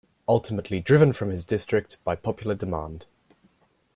Ultimately driven from his district by popular demand.